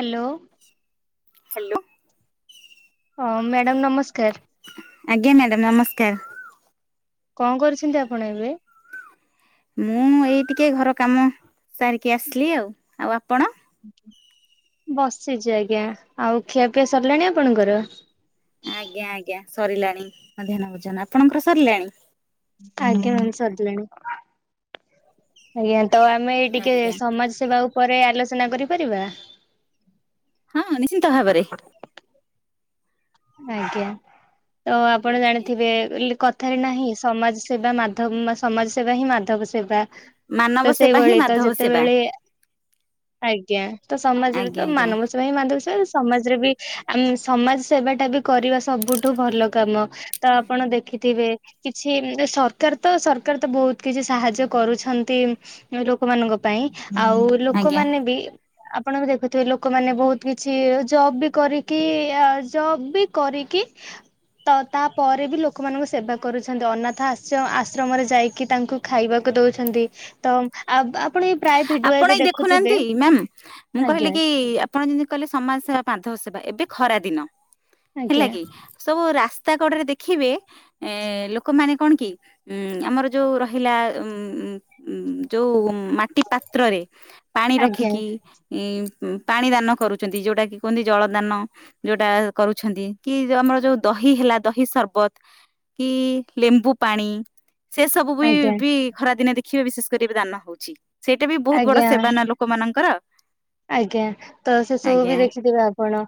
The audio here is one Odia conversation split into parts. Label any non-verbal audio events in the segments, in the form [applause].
ହ୍ୟାଲୋ। ହ୍ୟାଲୋ। ହଁ ମ୍ୟାଡ଼ମ୍ ନମସ୍କାର। ଆଜ୍ଞା ମ୍ୟାଡ଼ମ୍ ନମସ୍କାର। କଣ କରୁଛନ୍ତି ଆପଣ ଏବେ? ମୁଁ ଏଇ ଟିକେ ଘର କାମ ସାରିକି ଆସିଲି ଆଉ। ଆଉ ଆପଣ? ବସିଛି ଆଜ୍ଞା ଆଉ ଖିଆ ପିଆ ସରିଲାଣି ଆପଣଙ୍କର? ଆଜ୍ଞା ଆଜ୍ଞା ସରିଲାଣି ମଧ୍ୟାହ୍ନ ଭୋଜନ। ଆପଣଙ୍କର ସରିଲାଣି? ଆଜ୍ଞା ମ୍ୟାମ୍ ସରିଲାଣି ଆଜ୍ଞା। ତ ଆମେ ଟିକେ ଆଜ୍ଞା ସମାଜ ସେବା ଉପରେ ଆଲୋଚନା କରିପାରିବା? ହଁ ନିଶ୍ଚିନ୍ତ ଭାବରେ। ଆଜ୍ଞା ତ ଆପଣ ଆଜ୍ଞା। ଜାଣିଥିବେ [unintelligible] କ କଥାରେ ନାହିଁ ସମାଜ ସେବା ମାଧବ ସମାଜ ସେବା ହିଁ ମାଧବ ସେବା। ମାନବ ତ ସେବା ହିଁ ସେଇଭଳି ତ ମାଧବ ସେବା ଯେତେବେଳେ ଆଜ୍ଞା ତ ସମାଜରେ ଆଜ୍ଞା ତ ଆଜ୍ଞା ମାନବତ ସେଥିପାଇଁ ମାଧବ ସେବା ସମାଜରେ ବି ଆମେ ସମାଜ ସେବା ଟା ବି କରିବା ସବୁଠୁ ଭଲ କାମ। ତ ଆପଣ ଦେଖିଥିବେ। କିଛି ସରକାର ତ ସରକାର ତ ବହୁତ କିଛି ସାହାଯ୍ୟ କରୁଛନ୍ତି। ଲୋକମାନଙ୍କ ପାଇଁ ଆଉ ଆଜ୍ଞା ଲୋକମାନେ ବି ଆପଣ ଦେଖୁଥିବେ ଲୋକମାନେ ବହୁତ କିଛି ଜବ ବି କରିକି ଆ ଜବ୍ ବି କରିକି ତ ତାପରେ ବି ଲୋକମାନଙ୍କୁ ସେବା କରୁଛନ୍ତି ଅନାଥ ଆଶ୍ର ଆଶ୍ରମରେ ଯାଇକି ତାଙ୍କୁ ଖାଇବାକୁ ଦଉଛନ୍ତି ତ ଆ ଆପଣ ପ୍ରାୟ ଭିଡିଓ ଆପଣ ଏବେ ଏଇ ଦେଖୁଥିବେ ଦେଖୁନାହାନ୍ତି ମ୍ୟାମ ମୁଁ ଆଜ୍ଞା କହିଲି କି ଆ ଆପଣ ଯେମିତି କହିଲେ ସମାଜ ସେବା ମାଧବ ସେବା ଏବେ ଖରା ଦିନ ଆଜ୍ଞା ହେଲା କି। ସବୁ ରାସ୍ତା କଡରେ ଦେଖିବେ ଏ ଲୋକମାନେ କଣ କି ଉଁ ଆମର ଯୋଉ ରହିଲା ଉ ଯୋଉ ମା ପାତ୍ରରେ ପାଣି ଆଜ୍ଞା ରଖିକି ଇଁ ପାଣି ଦାନ କରୁଛନ୍ତି ଯୋଉଟା କିି କୁହନ୍ତି ଜଳ ଦାନ। ଯୋଉଟା କରୁଛନ୍ତି କି ଯୋଉ ଆମର ଯୋଉ ଦହି ହେଲା ଦହି ସର୍ବତ୍ କି ଲେମ୍ବୁ ପାଣି ସେ ସବୁ ବି ଆଜ୍ଞା ବି ଖରା ଦିନେ ଦେଖିବେ ବିଶେଷ କରି ଏବେ ଦାନ ହଉଛି ସେଇଟା ବି ବହୁତ ବଡ଼ ଆଜ୍ଞା ସେବା ନା ଲୋ କ ମାନଙ୍କର। ଆଜ୍ଞା ତ ସେସବୁ ବି ଦେଖିଥିବେ ଆପଣ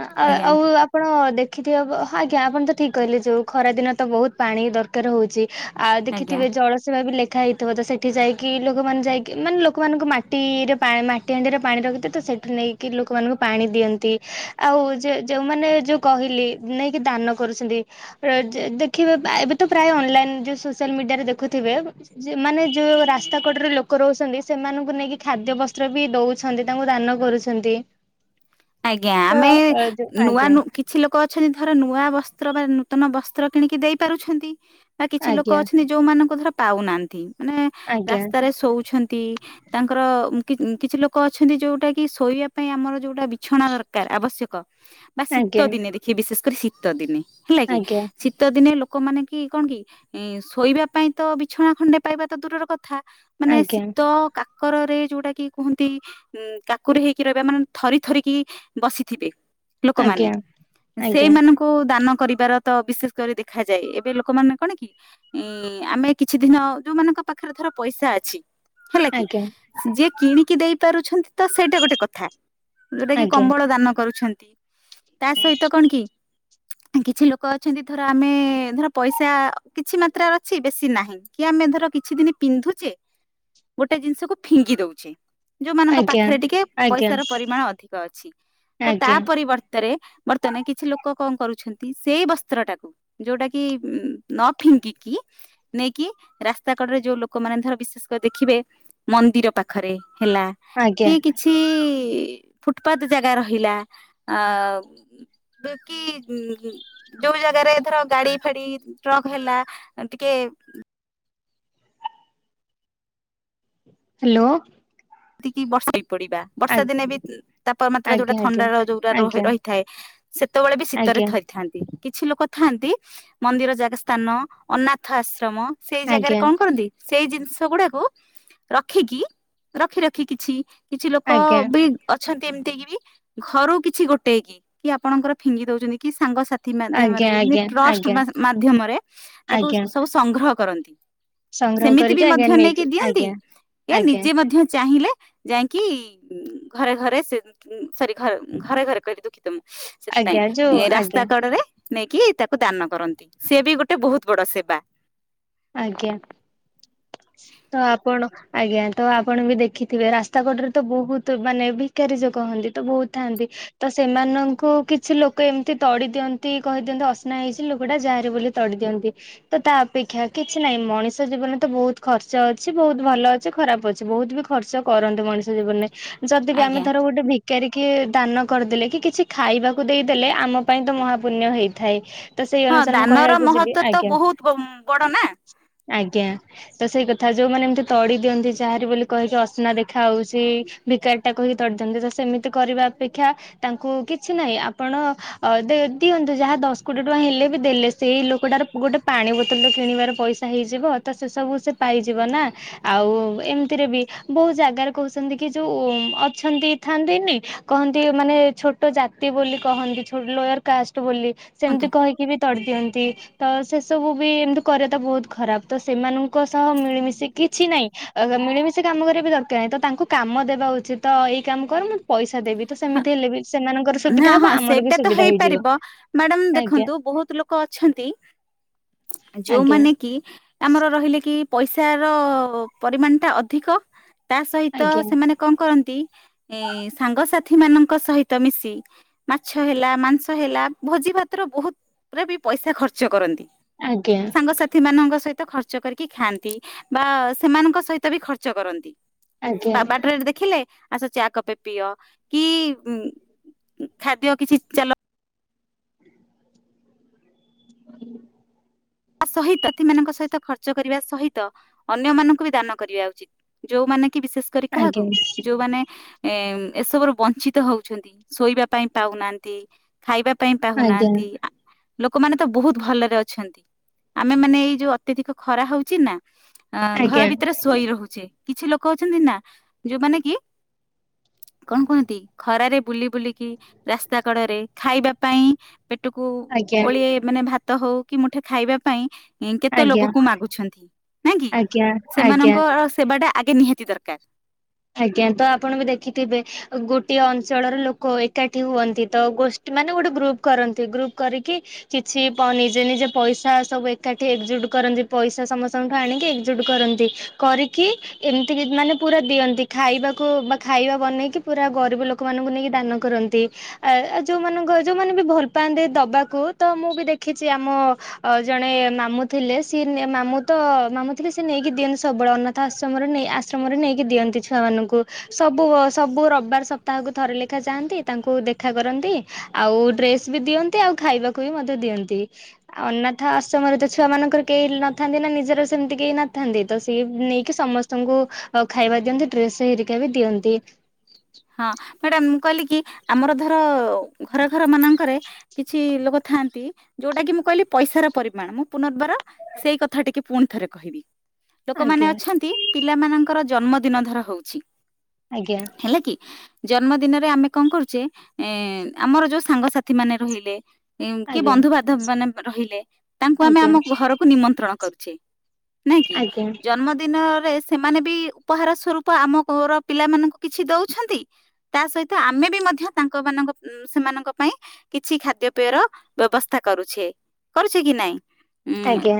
ଆ ଆଜ୍ଞା ଆଉ ଆ ଆପଣ ଦେଖିଥିବେ ବ ଆଜ୍ଞା ଆପଣ ତ ଠିକ କହିଲେ ଯୋଉ ଖରା ଦିନ ତ ବହୁତ ପାଣି ଦରକାର ହଉଛି। ଆଉ ଆଜ୍ଞା ଦେଖିଥିବେ ଜଳସେବା ବି ଲେ ଖା ହେଇଥିବ ତ ସେଠି ଯାଇକି ଲୋକମାନେ ଯାଇକି ମାନେ ଲୋକମାନଙ୍କୁ ମାଟିରେ ପା ମାଟି ହାଣ୍ଡିରେ ପାଣି ରଖି ତ ସେଠି ନେଇକି ଲୋକମାନଙ୍କୁ ପାଣି ଦିଅନ୍ତି ଆଉ ଯେ ଯୋଉମାନେ ଯୋ କହିଲେ ନେଇକି ଦାନ କରୁଛନ୍ତି। ର ଜେ ଦେଖିବେ ପା ଏବେ ତ ପ୍ରାୟ ଅନଲାଇନ ଯୋଉ ସୋସିଆଲ ମିଡ଼ିଆରେ ଦେଖୁଥିବେ ଯେ ମାନେ ଯୋଉ ରାସ୍ତା କଡ଼ରେ ଲୋକ ରହୁଛନ୍ତି ସେମାନଙ୍କୁ ନେଇକି ଖାଦ୍ୟ ବସ୍ତ୍ର ବି ଦଉ ଛନ୍ତି ତାଙ୍କୁ ଦାନ କରୁଛନ୍ତି। ଆଜ୍ଞା ତ ଆମେ ନୂଆ ଆଜ୍ଞା ନୁ କି ଛି ଲୋକ ଅଛନ୍ତି ଧର ନୂଆ ବସ୍ତ୍ର ବା ନୂତନ ବସ୍ତ୍ର କିଣିକି ଦେଇ ପାରୁଛନ୍ତି। ବା କିଛି ଲୋକ ଆଜ୍ଞା ଅଛନ୍ତି ଯୋଉମାନଙ୍କୁ ଧର ପାଉନାହାନ୍ତି ମାନେ ଆଜ୍ଞା ରାସ୍ତାରେ ଶୋଉଛନ୍ତି। ତାଙ୍କର ଉମ୍ କି ଉମ୍ କିଛି ଲୋକ ଅଛନ୍ତି ଯୋଉଟା କି ଶୋଇବା ପାଇଁ ଆମର ଯୋଉଟା ବି ଛଣା ଦରକାର ଆବଶ୍ୟକ ବା ଶୀତ ଆଜ୍ଞା ଦିନେ ଦେଖିବେ ବିଶେଷ କରି ଶୀତ ଦିନେ ହେଲା କି ଆଜ୍ଞା ଶୀ ତ ଦିନେ ଲୋକମାନେ କି କଣ କି ଇଁ ଶୋଇବା ପାଇଁ ତ ବିଛଣା ଖଣ୍ଡେ ପାଇବା ତ ଦୂରର କଥା ମାନେ ଆଜ୍ଞା ଶୀତ କାକରରେ ଯୋଉଟା କି କୁହନ୍ତି ଉଁ କାକୁରି ହେଇକି ରହିବା ମାନେ ଥରି ଥରିକି ବସିଥିବେ ଲୋକମାନେ ଆଜ୍ଞା ସେଇମାନଙ୍କ କୁ ଦାନ କରିବାର ତ ବିଶେଷ କରି ଦେଖାଯାଏ ଏବେ ଲୋକମାନେ କଣ କି ଇଁ ଆମେ କିଛି ଦିନ ଯୋଉମାନଙ୍କ ପାଖରେ ଧର ପଇସା ଅଛି ହେଲା କି ଆଜ୍ଞା ଯିଏ କିଣିକି ଦେଇ ପାରୁଛନ୍ତି ତ ସେଇଟା ଗୋଟେ କଥା। ଯୋଉଟା କି ଆଜ୍ଞା କମ୍ବଳ ଦାନ କରୁଛନ୍ତି ତା ସହିତ କଣ କି କିଛି ଲୋକ ଅଛନ୍ତି ଧର ଆମେ ଧର ପଇସା କିଛି ମାତ୍ରାରେ ଅଛି ବେଶୀ ନାହିଁ। କି ଆମେ ଧର କିଛି ଦିନି ପିନ୍ଧୁଛେ ଗୋଟେ ଜିନିଷକୁ ଫିଙ୍ଗି ଦଉଛେ। ଯୋଉମାନଙ୍କ ଆଜ୍ଞା ପାଖରେ ଟିକେ ଆଜ୍ଞା ପଇସାର ପରିମାଣ ଅଧିକ ଅଛି ତ ତା ଆଜ୍ଞା ଆଜ୍ଞା ପରିବର୍ ତରେ ବର୍ତ୍ତମାନେ କିଛି ଲୋକ କଣ କରୁଛନ୍ତି ସେଇ ବସ୍ତ୍ରଟାକୁ ଯୋଉଟା କି ନ ଫିଙ୍ଗିକି ନେଇକି ରାସ୍ତା କଡ଼ରେ ଯୋଉ ଲୋକମାନେ ଧର ବିଶେଷ କରି ଦେଖିବେ ମନ୍ଦିର ପାଖରେ ହେଲା ଆଜ୍ଞା କି କିଛି ଫୁଟପାତ୍ ଜାଗା ରହିଲା ଆ ବେକି ଯୋଉ ଜାଗାରେ ଧର ଗାଡ଼ି ଫାଡ଼ି ଟ୍ରକ୍ ହେଲା ଟିକେ ହାଲୋ। ତିକି ବର୍ଶାଇ ପଡ଼ିବା। ବର୍ଷା ଦିନେ ବି ତାପମାତ୍ରା ଯୋଉଟା ଆଜ୍ଞା ଆଜ୍ଞା ଥଣ୍ଡାର ଯୋଉଟା ରୁହେ ଆଜ୍ଞା ରହିଥାଏ ସେତେବେଳେ ବି ଶୀତରେ ଆଜ୍ଞା ଥରି ଥାନ୍ତି କିଛି ଲୋକ ଥାନ୍ତି ମନ୍ଦିର ଜାଗା ସ୍ଥାନ ଅନାଥ ଆଶ୍ରମ ସେଇ ଜାଗାରେ କଣ କରନ୍ତି ସେଇ ଜିନିଷ ଗୁଡ଼ାକୁ ରଖିକି ରଖି ରଖି କିଛି କିଛି ଲୋକ ଆଜ୍ଞା ବି ଅଛନ୍ତି ଏମିତି କି ବି ଘରୁ କିଛି ଗୋଟେ କି କି ଆପଣଙ୍କର ଫିଙ୍ଗି ଦଉଛନ୍ତି କି ସାଙ୍ଗସା ଥି ଆଜ୍ଞା ମାଧ୍ୟମରେ ଆଜ୍ଞା ଆଜ୍ଞା ଆଜ୍ଞା ଟ୍ରଷ୍ଟ ମା ମାଧ୍ୟମରେ ତାକୁ ଆଜ୍ଞା ସବୁ ସଂଗ୍ରହ କରନ୍ତି। ସଂଗ୍ରହ ସେମିତି କରିକି ବି ଆଜ୍ଞା ମଧ୍ୟ ନେଇକି ଦିଅନ୍ତି ଆଜ୍ଞା ଏ ଆଜ୍ଞା ନିଜେ ମଧ୍ୟ ଚାହିଁଲେ ଯାଇଙ୍କି ଘରେ ଘରେ ସେ ସରି ଘରେ ଘରେ କହିଲି ଦୁଃଖିତ ମୁଁ। ଆଜ୍ଞା ଯୋଉ ସେଥିପାଇଁ ରାସ୍ତା ଆଜ୍ଞା କଡ଼ରେ ନେଇକି ତାକୁ ଦାନ କରନ୍ତି ସେ ବି ଗୋଟେ ବହୁତ ବଡ଼ ସେବା। ଆଜ୍ଞା। ତ ଆପଣ ଆଜ୍ଞା ତ ଆପଣ ବି ଦେଖିଥିବେ ରାସ୍ତା କଡରେ ତ ବହୁତ ମାନେ ଭିକାରୀ ଯୋଗ ହୁନ୍ତି ତ ବହୁତ ଥାଆନ୍ତି। ତ ସେମାନଙ୍କୁ କିଛି ଲୋକ ଏମିତି ତଡି ଦିଅନ୍ତି କହିଦିଅନ୍ତି ଅସ୍ନା ହେଇଛି ଲୋକଟା ଯାହାହାରୀ ବୋଲି। ତଡ଼ି ଦିଅନ୍ତି ତ ତା ଅପେକ୍ଷା କିଛି ନାହିଁ ମଣିଷ ଜୀବନ ତ ବହୁତ ଖର୍ଚ୍ଚ ଅଛି ବହୁତ ଭଲ ଅଛି ଖରାପ ଅଛି ବହୁତ ବି ଖର୍ଚ୍ଚ କରନ୍ତି ମଣିଷ ଜୀବନରେ। ଯଦି ବି ଆମେ ଆଜ୍ଞା ଥର ଗୋଟେ ଭି କରିକି ଦାନ କରିଦେଲେ କି କିଛି ଖାଇବାକୁ ଦେଇଦେଲେ ଆମ ପାଇଁ ତ ମହାପୁଣ୍ୟ ହେଇଥାଏ। ତ ସେଇ ହଁ ଅନୁସାରେ ମୁଁ ଦାନର କହିବାକୁ ଯିବି ମହତ୍ଵ ତ ଆଜ୍ଞା ବହୁତ ବଡ ନା ଆଜ୍ଞା। ତ ସେଇ କଥା ଯୋଉମାନେ ଏମିତି ତଡି ଦିଅନ୍ତି ଯାହାରି ବୋଲି କହିକି ଅସନା ଦେଖା ହଉଛି। ଭିକାରୀଟା କହିକି ତଡ଼ି ଦନ୍ତି ତ ସେମିତି କରିବା ଅପେକ୍ଷା ତାଙ୍କୁ କିଛି ନାହିଁ ଆପଣ ଦିଅନ୍ତୁ ଯାହା ଦଶ କୋଟି ଟଙ୍କା ହେଲେ ବି ଦେଲେ ସେଇ ଲୋକଟାର ଗୋଟେ ପାଣି ବୋତଲ କିଣିବାର ପଇସା। ହେଇଯିବ ତ ସେ ସବୁ ସେ ପାଇଯିବ ନା। ଆଉ ଏମିତିରେ ବି ବହୁ ଜାଗାରେ କହୁଛନ୍ତି କି ଯୋଉ ଅଛନ୍ତି। ଥାନ୍ତିନି କହନ୍ତି ମାନେ ଛୋଟ ଜାତି ବୋଲି କହନ୍ତିଛୋଟ ଲୋୟର କାଷ୍ଟ ବୋଲି। କୁହନ୍ତୁ ସେମିତି କହିକି ବି ତଡ଼ିଦିଅନ୍ତି ତ ସେସବୁ ବି ଏମିତି କରିବା ତ ବହୁତ ଖରାପ ତ ସେମାନଙ୍କୁ ସହ ମିଳିମିଶି କିଛି ନାହିଁ ମିଳିମିଶି କାମ କରିବା ବି ଦରକାର ନାହିଁ ତ ତାଙ୍କୁ କାମ ଦେବା ଉଚିତ। ତ ଏଇ କାମ କର ମୁଁ ପଇସା ଦେବି ତ ସେମିତି ହେଲେ ବି ସେମାନଙ୍କର ହଁ ସୁବିଧା ହବ ହଁ ଆମର ବି ସେଇଟା ତ ସୁବିଧା ହେଇଯିବ। ହେଇପାରିବ ମ୍ୟାଡାମ ଆଜ୍ଞା ଦେଖନ୍ତୁ ବହୁତ ଲୋକ ଅଛନ୍ତି ଆଜ୍ଞା ଯୋଉମାନେ କି ଆମର ରହିଲେ କି ପଇସା ର ପରିମାଣ ଟା ଅଧିକ ତା ସହିତ ଆଜ୍ଞା ସେମାନେ କଣ କରନ୍ତି ଏ ସାଙ୍ଗସାଥି ମାନଙ୍କ ସହିତ ମିଶ ମାଛ ହେଲା ମାଂସ ହେଲା ଭୋଜି ଭାତର ବହୁତ ପୁରା ବି ପଇସା ଖର୍ଚ୍ଚ କରନି। ଆଜ୍ଞା। ସାଙ୍ଗସଥି ମାନଙ୍କ ସହିତ ଖର୍ଚ୍ଚ କରିକି ଖାଆନ୍ତି ବା ସେମାନଙ୍କ ସହିତ ବି ଖର୍ଚ୍ଚ କରନ୍ତି। ଆଜ୍ଞା ବାଟରେ ଦେଖିଲେ ଆସ ଚାକପେ ପିଅ କି ଖାଦ୍ୟ କିଛି ଚାଲ ହୁଁ। ତା ସହିତ ସେମାନଙ୍କ ସହିତ ଖର୍ଚ୍ଚ କରିବା ସହିତ ଅନ୍ୟ ମାନଙ୍କୁ ବି ଦାନ କରିବା ଉଚିତ୍। ଯୋଉମାନେ କି ବିଶେଷ କରି କାହାକୁ ଆଜ୍ଞା ଯୋଉମାନେ ଏ ଏସବୁ ରୁ ବଂଞ୍ଚିତ ହଉଛନ୍ତି ଶୋଇବା ପାଇଁ ପାଉନାହାନ୍ତି। ଖାଇବା ପାଇଁ ଆଜ୍ଞା ପାଉନାହାନ୍ତି ଲୋକମାନେ ତ ବହୁତ ଭଲରେ ଅଛନ୍ତି। ଆମେ ମାନେ ଏଇ ଯୋଉ ଅତ୍ୟଧିକ ଖରା ହଉଛି ନା ଅ ଘର ଭିତରେ ଶୋଇ ରହୁଛେ। କିଛି ଲୋକ ଅଛନ୍ତି ନା ଯୋଉମାନେ କି କଣ କୁହନ୍ତି? ଖରାରେ ବୁଲି ବୁଲିକି ରାସ୍ତା କଡରେ ଖାଇବା ପାଇଁ ପେଟକୁ ଆଜ୍ଞା ଆଜ୍ଞା ଓଳି ଏ - ମାନେ ଭାତ ହଉ କି ମୁଠେ ଖାଇବା ପାଇଁ। କେତେ ଆଜ୍ଞା ଲୋକକୁ ମାଗୁଛନ୍ତି ନାଇଁ କି ଆଜ୍ଞା ଆଜ୍ଞା ସେମାନଙ୍କ ସେବା ଟା ଆଗେ ନିହାତି ଦରକାର। ଆଜ୍ଞା ତ ଆପଣ ବି ଦେଖିଥିବେ ଗୋଟିଏ ଅଞ୍ଚଳର ଲୋକ ଏକାଠି ହୁଅନ୍ତି ତ ଗୋଷ୍ଠୀ ମାନେ ଗୋଟେ ଗ୍ରୁପ୍ କରନ୍ତି ଗ୍ରୁପ୍ କରିକି କିଛି ପ ନିଜେ ନିଜେ ପଇସା ସବୁ ଏକାଠି ଏକଜୁଟ କରନ୍ତି ପଇସା ସମସ୍ତଙ୍କଠୁ ଆଣିକି ଏକଜୁଟ କରନ୍ତି। କରିକି ଏମିତି ମାନେ ପୁରା ଦିଅନ୍ତି। ଖାଇବାକୁ ବା ଖାଇବା ବନେଇକି ପୁରା ଗରିବ ଲୋକମାନଙ୍କୁ ନେଇକି ଦାନ କରନ୍ତି। ଆ ଯୋଉମାନଙ୍କ ଯୋଉମାନେ ବି ଭଲ ପାଆନ୍ତି ଦବାକୁ ତ ମୁଁ ବି ଦେଖିଛି ଆମ ଅ ଜଣେ ମାମୁ ଥିଲେ ସିଏ ମାମୁଁ ତ ମାମୁଁ ଥିଲେ ସେଏ ନେଇକି ଦିଅନ୍ତି ସବୁବେଳେ ଅନା ରଥ ଆଶ୍ରମରେ ନେଇ ଆଶ୍ରମରେ ନେଇକି ଦିଅନ୍ତି ଛୁଆମାନଙ୍କୁ। ସବୁ ସବୁ ରବିବାର ସପ୍ତାହକୁ ଥରେ ଲେଖା ଯାଆନ୍ତି ତାଙ୍କୁ ଦେଖା କରନ୍ତି। ଆଉ ଡ୍ରେସ ବି ଦିଅନ୍ତି ଆଉ ଖାଇବାକୁ ବି ମଧ୍ୟ ଦିଅନ୍ତି। ଆଉ ଅନାଥ ଆଶ୍ରମରେ ତ ଛୁଆ ମାନଙ୍କର କେହି ନଥାନ୍ତି ନା ନିଜର ସେମିତି କେହି ନଥାନ୍ତି ତ ସିଏ ନେଇକି ସମସ୍ତେ ତମକୁ ଖାଇବା ଦିଅନ୍ତି ଡ୍ରେସ ହେରିକା ବି ଦିଅନ୍ତି ହଁ ମ୍ୟାଡାମ ମୁଁ କହିଲି କି ଆମର ଧର ଘର ଘର ମାନଙ୍କରେ କିଛି ଲୋକ ଥାଆନ୍ତି ଯୋଉଟା କି ମୁଁ କହିଲି ପଇସାର ପରିମାଣ ମୁଁ ପୁନର୍ବାର ସେଇ କଥା ଟିକ ପୁଣି ଥରେ କହିବି ଲୋକମାନେ ଆଜ୍ଞା ଅଛନ୍ତି ପିଲାମାନଙ୍କର ଜନ୍ମ ଦିନ ଧର ହଉଛି। ଆଜ୍ଞା। ହେଲା କି ଜନ୍ମ ଦିନରେ ଆମେ କଣ କରୁଛେ ଏ ଆମର ଯୋଉ ସାଙ୍ଗସାଥି ମାନେ ରହିଲେ କି ଆଜ୍ଞା ବନ୍ଧୁବାନ୍ଧବ ମାନେ ରହିଲେ ତାଙ୍କୁ ଆମେ ଆମ ଘରକୁ ନିମନ୍ତ୍ରଣ କରୁଛେ। ନାଇଁ କି ଆଜ୍ଞା ଜନ୍ମଦିନରେ ସେମାନେ ବି ଉପହାର ସ୍ୱରୂପ ଆମ ଘର ପିଲାମାନଙ୍କୁ କିଛି ଦଉ ଛନ୍ତି ତା ସହିତ ଆମେ ବି ମଧ୍ୟ ତାଙ୍କ ମାନଙ୍କ ସେମାନଙ୍କ ପାଇଁ କିଛି ଖାଦ୍ୟ ପେୟ ର ବ୍ୟବସ୍ଥା କରୁଛେ କରୁଛେ କି ନାଇଁ? ଉଁ ଆଜ୍ଞା।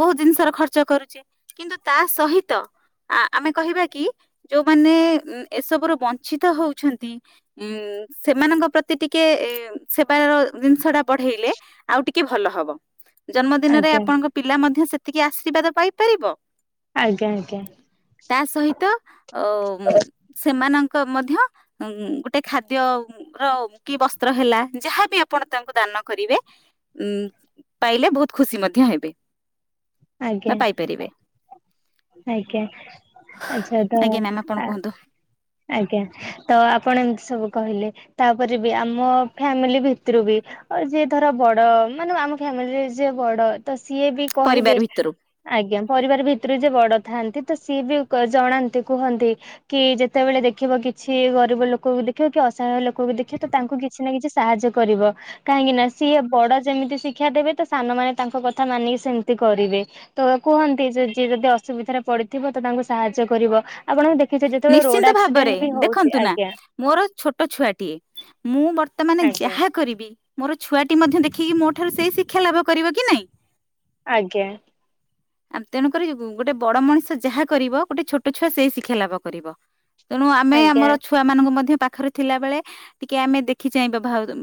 ବହୁତ ଜିନିଷ ର ଖର୍ଚ୍ଚ କରୁଚେ। କିନ୍ତୁ ତା ସହିତ ଆ ଆମେ କହିବା କି ଯୋଉମାନେ ଏସବୁରୁ ବନ୍ ଞ୍ଛିତ ହଉଛନ୍ତି ଉଁ ସେମାନଙ୍କ ପ୍ରତି ଟିକେ ସେବାର ଜିନିଷ ଟା ବଢ଼େଇଲେ ଆଉ ଟିକେ ଭଲ ହବ। ଜନ୍ମଦିନରେ ଆଜ୍ଞା ଆପଣଙ୍କ ପିଲା ମଧ୍ୟ ସେତିକି ଅଶ୍ରିବାଦ ପାଇପାରିବ। ଆଜ୍ଞା ଆଜ୍ଞା ତା ସହିତ ଅମ୍ ସେମାନ ଙ୍କ ମଧ୍ୟ ଉ ଗୋଟେ ଖାଦ୍ୟ ର କି ବସ୍ତ୍ର ହେଲା ଯାହାବି ଆପଣ ତାଙ୍କୁ ଦାନ କରିବେ ଉ ପାଇଲେ ବହୁତ ଖୁସି ମଧ୍ୟ ହେବେ। ଆଜ୍ଞା ଆଜ୍ଞା ନା ପାଇପାରିବେ। ଆଜ୍ଞା ଆଛାଦ ଆଜ୍ଞା ମ୍ୟାମ୍ ଆପଣ କୁହନ୍ତୁ ଆଜ୍ଞା ତ ଆପଣ ଏମିତି ସବୁ କହିଲେ ତାପରେ ବି ଆମ ଫ୍ୟାମିଲି ଭିତୁରୁ ବି ଯିଏ ଧର ବଡ଼ ମାନେ ଆମ ଫ୍ୟାମିଲିରେ ଯିଏ ବଡ଼ ତ ସିଏ ବି ପରିବାର କହିବେ ଭିତରୁ ଆଜ୍ଞା ପରିବାର ଭିତୁରୁ ଯିଏ ବଡ଼ ଥାନ୍ତି ତ ସିଏ ବି ଜଣାନ୍ତି କୁହନ୍ତି କି ଯେ ତେବେଳେ ଦେଖିବ କିଛି ଗରିବ ଲୋକକୁ ଦେଖିବ କି ଅସହାୟ ଲୋକକୁ ଦେଖିବ ତ ତାଙ୍କୁ କିଛି ନା କିଛି ସାହାଯ୍ୟ କରିବ। କାହିଁକି ନା ସିଏ ବଡ ଯେମିତି ଶିକ୍ଷା ଦେବେ ତ ସାନମାନେ ତାଙ୍କ କଥା ମାନିକି ସେମିତି କରିବେ। ତ କୁହନ୍ତି ଯେ ଯିଏ ଯଦି ଅସୁବିଧାରେ ପଡ଼ିଥିବ ତ ତାଙ୍କୁ ସାହାଯ୍ୟ କରିବ। ଆପଣବି ଦେଖିଥିବେ ଯେତେବେଳେ ରୋ ନିଶ୍ଚିନ୍ତ ଭାବରେ ଦେଖନ୍ତୁ ନା ମୋର ଛୋଟ ଛୁଆଟିଏ ମୁଁ ବର୍ତ୍ତମାନେ ଆଜ୍ଞା ଯାହା କରିବି ମୋର ଛୁଆଟି ମଧ୍ୟ ଦେଖିକି ମୋ ଠାରୁ ସେଇ ଶିକ୍ଷା ଲାଭ କରିବ କି ନାଇଁ। ଆଜ୍ଞା। ଆ ତେଣୁକରି ଗୋଟେ ବଡ଼ ମଣିଷ ଯାହା କରିବ ଗୋଟେ ଛୋଟ ଛୁଆ ସେଇ ଶିକ୍ଷା ଲାଭ କରିବ। ତେଣୁ ଆମେ ଆଜ୍ଞା। ଆମର ଛୁଆ ମାନଙ୍କୁ ମଧ୍ୟ ପାଖରେ ଥିଲା ବେଳେ ଟିକେ ଆମେ ଦେଖି ଚାହିଁ ବ୍ୟବହା ବା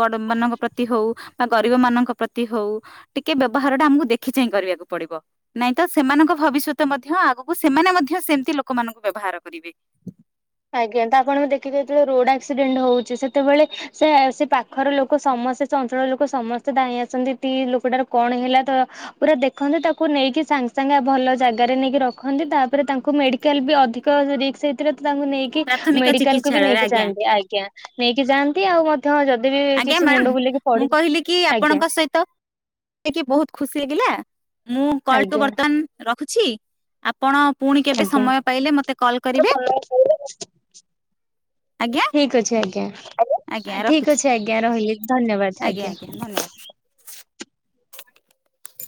ବଡ଼ ମାନଙ୍କ ପ୍ରତି ହଉ ବା ଗରିବ ମାନଙ୍କ ପ୍ରତି ହଉ ଟିକେ ବ୍ୟବହାର ଟା ଆମକୁ ଦେଖି ଚାହିଁ କରିବାକୁ ପଡ଼ିବ। ନାଇଁ ତ ସେମାନଙ୍କ ଭବିଷ୍ୟତ ମଧ୍ୟ ଆଗକୁ ସେମାନେ ମଧ୍ୟ ସେମତି ଲୋକମାନଙ୍କୁ ବ୍ୟବହାର କରିବେ। ଆଜ୍ଞା ତ ଆପଣ ଦେଖିଥିବେ ଯେତେବେଳେ ରୋଡ ଆକ୍ସିଡେଣ୍ଟ ହଉଛି ସେତେବେଳେ ସେ ସେ ପାଖର ଲୋକ ସମସ୍ତେ ଚଞ୍ଚଳ ଲୋକ ସମସ୍ତେ ଦାଇଁ ଆସନ୍ତି ତି ଲୋକଟାର କଣ ହେଲା ତ ପୁରା ଦେଖନ୍ତି ତାକୁ ନେଇକି ସାଙ୍ଗ ସାଙ୍ଗେ ଭଲ ଜାଗାରେ ନେଇକି ରଖନ୍ତି ତାପରେ ତାଙ୍କୁ ମେଡ଼ି କାଲ ବି ଅଧିକ ରିକ୍ସ ହେଇଥିଲେ ତ ତାଙ୍କୁ ନେଇକି ପ୍ରାଥମିକ ମେଡିକାଲକୁ ବି ଚିକିତ୍ସାଳୟରେ ନେଇକି ଆଜ୍ଞା ଯାଆନ୍ତି ଆଜ୍ଞା। ନେଇକି ଯାଆନ୍ତି ଆଉ ମଧ୍ୟ ଯଦି ବି ଆଜ୍ଞା କିଛି ମୁଣ୍ଡ ବୁଲେଇକି ପଡ଼ି ଆଜ୍ଞା। ତ ହେଇକି ବହୁତ୍ ଖୁସି ଲାଗିଲା ମୁଁ କଲକୁ ଆଜ୍ଞା ବର୍ତ୍ତମାନ ରଖୁଛି ଆ ପଣ ପୁଣି କେବେ ଆଜ୍ଞା ସମୟ ପାଇଲେ ମତେ କଲ କରିବେ। ଆଜ୍ଞା ଠିକ୍ ଅଛି ଆଜ୍ଞା ଆଜ୍ଞା ଠିକ୍ ରଖୁଛି ଅଛି ଆଜ୍ଞା ରହିଲି ଧନ୍ୟବାଦ। ଆଜ୍ଞା ଆଜ୍ଞା ଧନ୍ୟବାଦ।